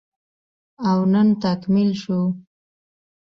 او نن تکميل شو